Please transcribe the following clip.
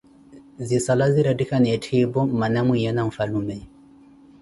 Zisala ziretikhana etthipi mmana mwiiya na nfhalume.